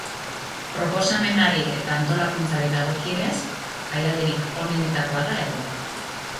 Proposamenari eta antolakuntzari dagokienez, jaialdirik onenetakoa da egun.